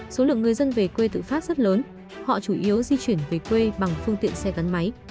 số lượng người dân về quê tự phát rất lớn họ chủ yếu di chuyển về quê bằng phương tiện xe gắn máy